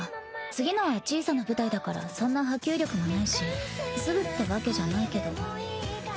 次のは小さな舞台だからそんな波及力もないしすぐってわけじゃないけど。